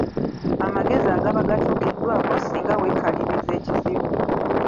Amagezi agaba gatuukiddwako singa weekaliriza ekizibu.